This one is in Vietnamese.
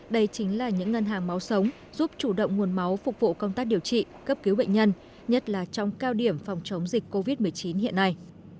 đây chính là những ngân hàng máu sống giúp chủ động nguồn máu phục vụ công tác điều trị cấp cứu bệnh nhân nhất là trong cao điểm phòng chống dịch covid một mươi chín hiện nay